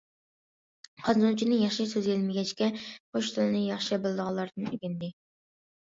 خەنزۇچىنى ياخشى سۆزلىيەلمىگەچكە، قوش تىلنى ياخشى بىلىدىغانلاردىن ئۆگەندى.